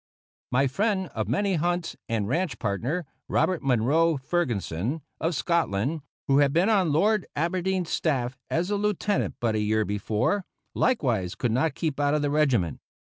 My friend of many hunts and ranch partner, Robert Munro Ferguson, of Scotland, who had been on Lord Aberdeen's staff as a Lieutenant but a year before, likewise could not keep out of the regiment.